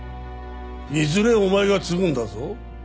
いずれお前が継ぐんだぞ。